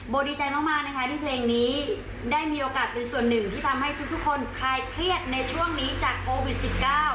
ดีใจมากนะคะที่เพลงนี้ได้มีโอกาสเป็นส่วนหนึ่งที่ทำให้ทุกคนคลายเครียดในช่วงนี้จากโควิด๑๙